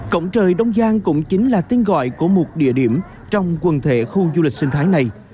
cổng trời đông giang cũng chính là tên gọi của một địa điểm trong quần thể khu du lịch sinh thái này